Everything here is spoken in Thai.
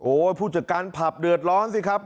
ผู้จัดการผับเดือดร้อนสิครับ